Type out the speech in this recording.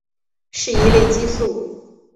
是一类激素。